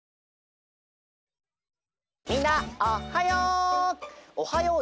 みんなおっはよう！